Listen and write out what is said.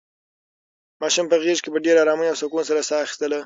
ماشوم په غېږ کې په ډېرې ارامۍ او سکون سره ساه اخیستله.